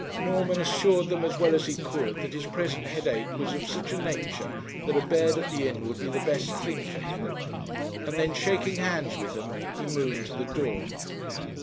Norman assured them as well as he could that his present headache was of such a nature that a bed at the inn would be the best thing for him; and then, shaking hands with them, he moved to the door.